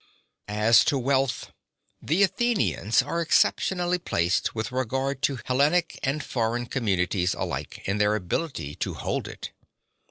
As to wealth, the Athenians are exceptionally placed with regard to Hellenic and foreign communities alike, (11) in their ability to hold it.